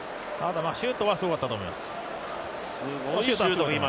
ただシュートはすごかったと思います。